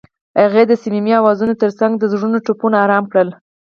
هغې د صمیمي اوازونو ترڅنګ د زړونو ټپونه آرام کړل.